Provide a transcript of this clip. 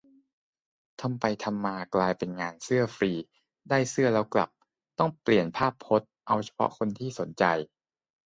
ทำไมทำมากลายเป็นงานเสื้อฟรี ได้เสื้อแล้วกลับ; ต้องเปลี่ยนภาพพจน์ เอาเฉพาะคนที่สนใจ